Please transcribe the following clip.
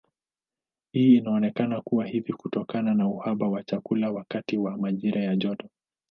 Hii inaonekana kuwa hivi kutokana na uhaba wa chakula wakati wa majira ya joto.